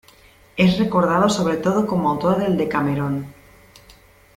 Es recordado sobre todo como autor del "Decamerón".